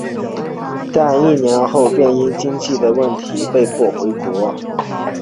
但一年后便因经济问题被迫回国。